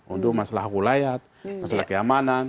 untuk masalah ulayat masalah keamanan